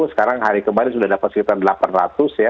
sekarang hari kemarin sudah dapat sekitar delapan ratus ya